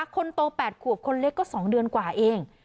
คนโต๘ขวบคนเล็กก็๒เดือนกว่าเอง